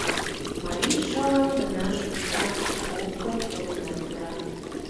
Марий шылын гына шукта — опкын толынат пура: